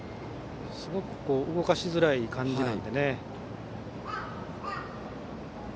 すごく動かしづらい感じなので。